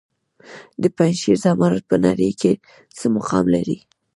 د پنجشیر زمرد په نړۍ کې څه مقام لري؟